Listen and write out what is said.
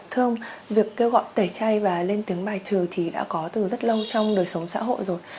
thưa ông việc kêu gọi tẩy chay và lên tiếng bài trừ thì đã có từ rất lâu trong đời sống xã hội rồi